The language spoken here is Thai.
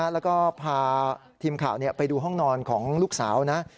แล้วก็พาทีมข่าวไปดูห้องนอนของลูกสาวนะ